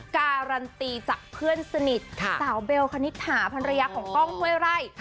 การันตีจากเพื่อนสนิทสาวเบลคณิตถาภรรยาของกล้องห้วยไร่